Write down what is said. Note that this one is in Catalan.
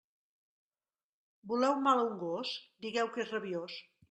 Voleu mal a un gos? Digueu que és rabiós.